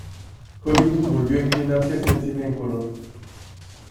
Hollywood volvió a inclinarse hacia el cine en color.